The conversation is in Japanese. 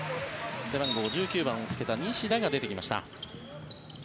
背番号１９番をつけた西田が出てきました。